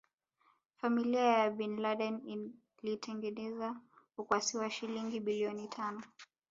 Familia ya Bin Laden ilitengeneza ukwasi wa shilingi biiloni tano